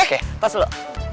oke pas dulu